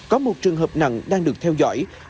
có một trường hợp nặng đang được theo dõi